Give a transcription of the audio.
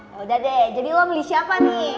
yaudah deh jadi lo beli siapa nih